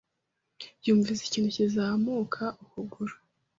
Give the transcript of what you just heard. Yumvise ikintu kizamuka ukuguru.